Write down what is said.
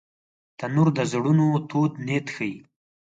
تنور د زړونو تود نیت ښيي